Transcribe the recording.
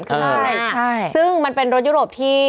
ครับนะซึ่งมันเป็นรถยุโรปที่